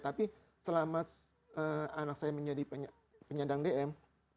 tapi selama anak saya menjadi penyandang dm